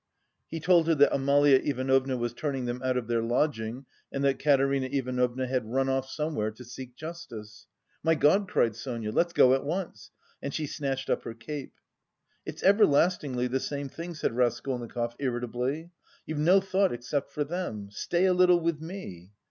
He told her that Amalia Ivanovna was turning them out of their lodging and that Katerina Ivanovna had run off somewhere "to seek justice." "My God!" cried Sonia, "let's go at once...." And she snatched up her cape. "It's everlastingly the same thing!" said Raskolnikov, irritably. "You've no thought except for them! Stay a little with me."